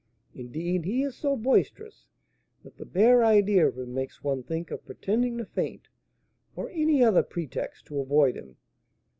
Indeed, he is so boisterous that the bare idea of him makes one think of pretending to faint, or any other pretext, to avoid him.